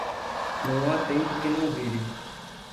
Não há tempo que não vire.